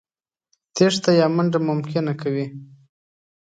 تېښته يا منډه ممکنه کوي.